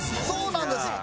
そうなんです。